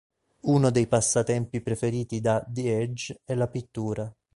Uno dei passatempi preferiti da The Edge è la pittura.